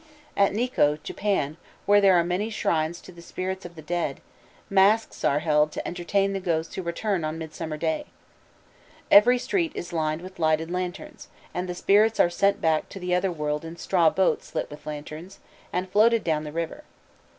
At Nikko, Japan, where there are many shrines to the spirits of the dead, masques are held to entertain the ghosts who return on Midsummer Day. Every street is lined with lighted lanterns, and the spirits are sent back to the otherworld in straw boats lit with lanterns, and floated down the river.